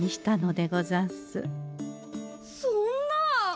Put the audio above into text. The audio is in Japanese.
そんな。